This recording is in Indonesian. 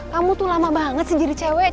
kamu tuh lama banget sih jadi cewek